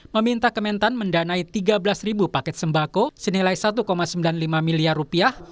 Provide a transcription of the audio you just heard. meminta kementan mendanai tiga belas paket sembako senilai satu sembilan puluh lima miliar rupiah